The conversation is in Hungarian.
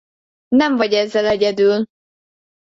Nem vagy ezzel egyedül!